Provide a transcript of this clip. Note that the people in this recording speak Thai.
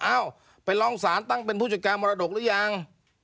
เอ้าไปร้องศาลตั้งเป็นผู้จัดการมรดกหรือยัง